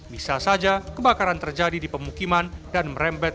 bisa saja kebakaran terjadi di pemukiman dan merembet